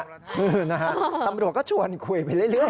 นะฮะตำรวจก็ชวนคุยไปเรื่อย